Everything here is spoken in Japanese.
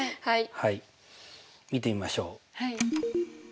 はい見てみましょう。